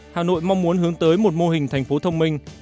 hà nội mong muốn hướng tới một mô hình thành phố thông minh